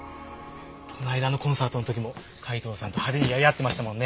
この間のコンサートの時も海東さんと派手にやり合ってましたもんね。